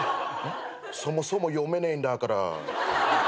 そもそも読めねえんだから。